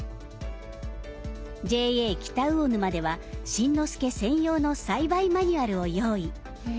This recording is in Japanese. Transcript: ＪＡ北魚沼では新之助専用の栽培マニュアルを用意。